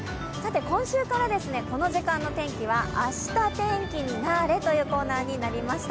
今週からこの時間の天気はあした天気になーれ！というコーナーになりました。